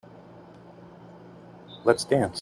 Let's dance.